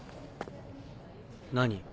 何？